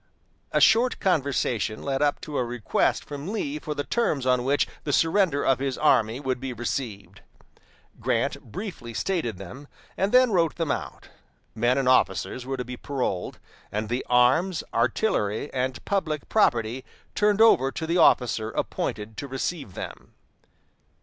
A short conversation led up to a request from Lee for the terms on which the surrender of his army would be received. Grant briefly stated them, and then wrote them out. Men and officers were to be paroled, and the arms, artillery, and public property turned over to the officer appointed to receive them.